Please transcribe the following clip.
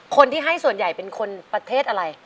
คนที่ให้เป็นส่วนใหญ่ประเทศอะไร